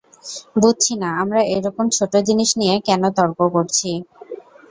বুঝছি না আমরা এইরকম ছোট জিনিস নিয়ে কেন তর্ক করছি।